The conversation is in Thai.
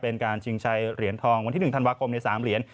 เป็นการชิงชัยเหรียญทองวันที่๑ธันวาคมใน๓เหรียญ